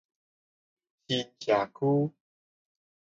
新社區